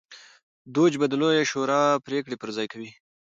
دوج به د لویې شورا پرېکړې پر ځای کوي.